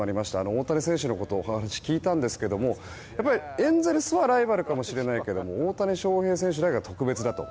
大谷選手のお話を聞いたんですがエンゼルスはライバルかもしれないけど大谷翔平選手だけは特別だと。